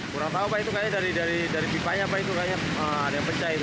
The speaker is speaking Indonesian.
kurang tahu pak itu kayaknya dari pipanya apa itu kayaknya ada yang pecah itu